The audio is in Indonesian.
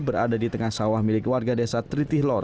berada di tengah sawah milik warga desa tritihlor